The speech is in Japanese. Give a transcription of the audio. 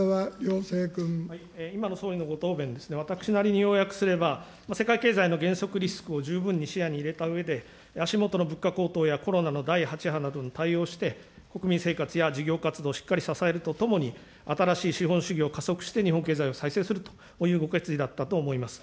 今の総理のご答弁、私なりに要約すれば、世界経済の減速リスクを十分に視野に入れたうえで、足下の物価高騰やコロナの第８波などに対応して、国民生活や事業活動をしっかり支えるとともに、新しい資本主義を加速して日本経済を再生するというご決意だったと思います。